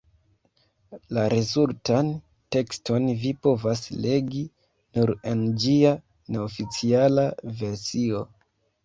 La rezultan tekston vi povas legi nur en ĝia neoficiala versio.